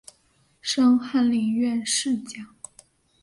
升翰林院侍讲。